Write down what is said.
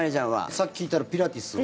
さっき聞いたらピラティスを。